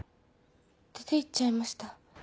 出ていっちゃいました。